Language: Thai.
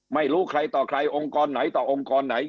ไม่รู้ใครต่อใครองค์กรไหนต่อองค์กรไหน